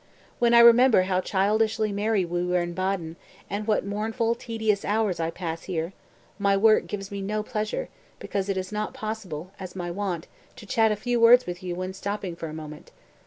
When I remember how childishly merry we were in Baden, and what mournful, tedious hours I pass here, my work gives me no pleasure, because it is not possible as was my wont, to chat a few words with you when stopping for a moment.